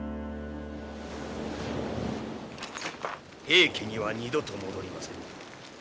平家には二度と戻りませぬ。